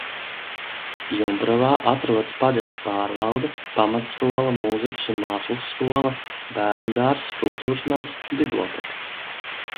Jumpravā atrodas pagasta pārvalde, pamatskola, mūzikas un mākslas skola, bērnudārzs, kultūras nams, bibliotēka.